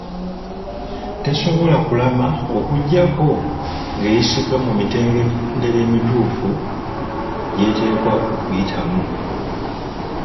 Tesobola kulama okuggyako ng'eyisiddwa mu mitendera emituufu gy’eteekwa okuyitamu.